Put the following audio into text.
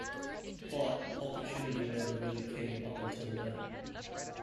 But, opportunity never really came up-until then.